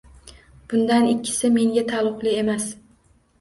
Bundan ikkisi menga taalluqli emas.